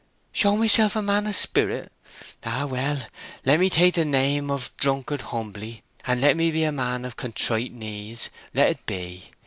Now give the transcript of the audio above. "Show myself a man of spirit?... Ah, well! let me take the name of drunkard humbly—let me be a man of contrite knees—let it be!